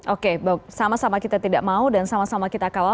oke sama sama kita tidak mau dan sama sama kita kawal